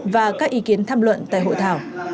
và các ý kiến tham luận tại hội thảo